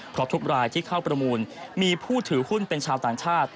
เพราะทุกรายที่เข้าประมูลมีผู้ถือหุ้นเป็นชาวต่างชาติ